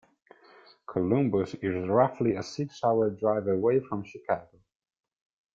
Columbus is roughly a six-hour drive away from Chicago.